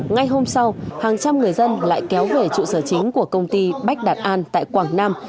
ngay hôm sau hàng trăm người dân lại kéo về trụ sở chính của công ty bách đạt an tại quảng nam